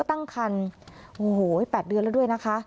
ตั้งคันโอ้โห๘เดือนแล้วด้วยนะคะ